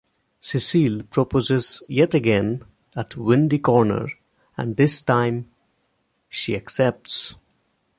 Cecil proposes yet again at Windy Corner, and this time she accepts.